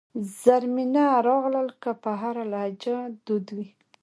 زرمینه راغلل که په هره لهجه دود وي.